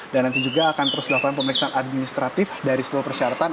dan nanti juga akan terus dilakukan pemeriksaan administratif dari seluruh persyaratan